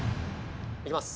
いきます。